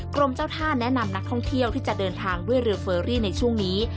กรมเจ้าท่าแนะนำนักท่องเที่ยวที่จะเดินทางด้วยเรือเฟอรี่ในช่วงนี้